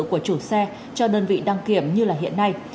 của chủ xe cho đơn vị đăng kiểm như hiện nay